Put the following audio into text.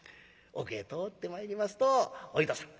奥へ通ってまいりますとお糸さん